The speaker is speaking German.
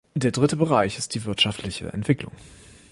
Der dritte Bereich ist die wirtschaftliche Entwicklung.